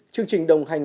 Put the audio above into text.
chương trình đồng hành